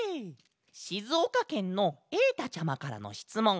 しずおかけんのえいたちゃまからのしつもん。